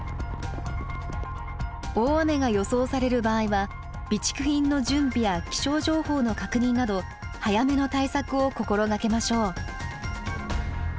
大雨が予想される場合は備蓄品の準備や気象情報の確認など早めの対策を心掛けましょう。